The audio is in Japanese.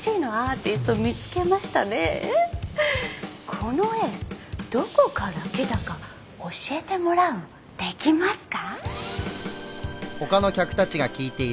この絵どこから来たか教えてもらうできますか？